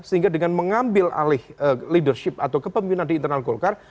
sehingga dengan mengambil alih leadership atau kepemimpinan di internal golkar